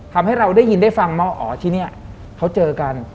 เราได้ยินได้ฟังว่าอ๋อที่นี่เขาเจอกัน